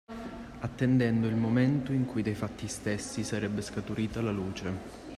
Attendendo il momento in cui dai fatti stessi sarebbe scaturita la luce.